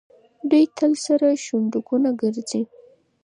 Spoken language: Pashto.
دوی تل سره شونډکونه ګرځي.